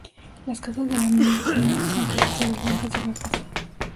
Las casas de la medina son casi todas blancas y bajas.